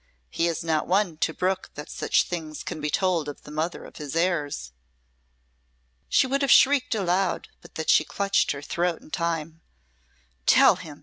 "He is not one to brook that such things can be told of the mother of his heirs." She would have shrieked aloud but that she clutched her throat in time. "Tell him!"